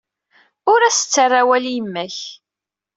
Ur as-ttarra awal i yemma-k.